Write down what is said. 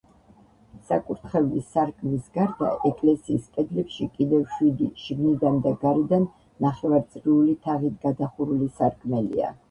საკურთხევლის სარკმლის გარდა ეკლესიის კედლებში კიდევ შვიდი, შიგნიდან და გარედან, ნახევარწრიული თაღით გადახურული სარკმელია.